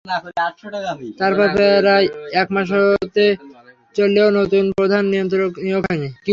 তারপর প্রায় এক মাস হতে চললেও নতুন প্রধান নিয়ন্ত্রক নিয়োগ হয়নি।